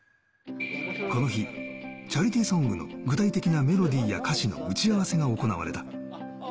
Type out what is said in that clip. この日、チャリティーソングの具体的なメロディーや歌詞の打ち合わせが行われた。